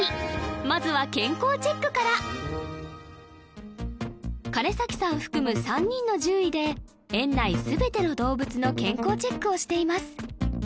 まずは健康チェックから金さん含む３人の獣医で園内全ての動物の健康チェックをしています